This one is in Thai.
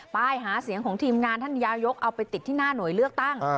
ป้ายหาเสียงของทีมงานท่านนายกเอาไปติดที่หน้าหน่วยเลือกตั้ง